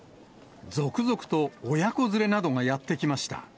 続々と親子連れなどがやって来ました。